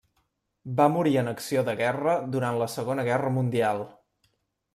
Va morir en acció de guerra durant la Segona Guerra Mundial.